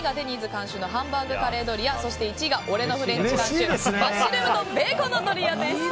監修のハンバーグカレードリアそして１位が俺のフレンチ監修マッシュルームとベーコンのドリアでした。